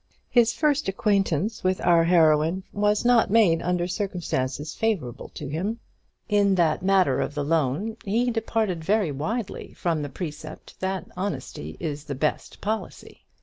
His first acquaintance with our heroine was not made under circumstances favourable to him. In that matter of the loan, he departed very widely from the precept which teaches us that honesty is the best policy.